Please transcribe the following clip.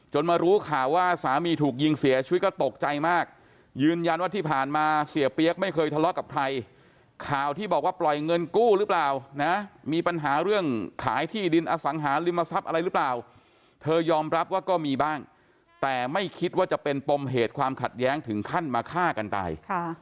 มารู้ข่าวว่าสามีถูกยิงเสียชีวิตก็ตกใจมากยืนยันว่าที่ผ่านมาเสียเปี๊ยกไม่เคยทะเลาะกับใครข่าวที่บอกว่าปล่อยเงินกู้หรือเปล่านะมีปัญหาเรื่องขายที่ดินอสังหาริมทรัพย์อะไรหรือเปล่าเธอยอมรับว่าก็มีบ้างแต่ไม่คิดว่าจะเป็นปมเหตุความขัดแย้งถึงขั้นมาฆ่ากันตาย